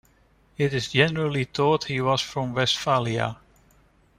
It is generally thought he was from Westphalia.